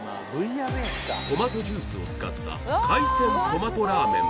トマトジュースを使った海鮮トマトラーメン